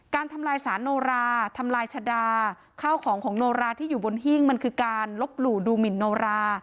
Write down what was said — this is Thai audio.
ทำลายสารโนราทำลายชะดาข้าวของของโนราที่อยู่บนหิ้งมันคือการลบหลู่ดูหมินโนรา